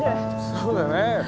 そうだね。